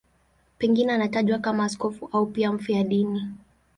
Pengine anatajwa kama askofu au pia kama mfiadini.